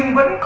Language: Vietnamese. cái bản thốc